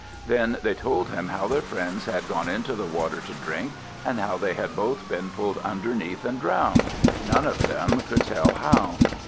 Then they told him how their friends had gone into the water to drink, and how they had both been pulled underneath and drowned, none of them could tell how.